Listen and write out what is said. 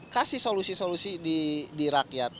kasih solusi solusi di rakyat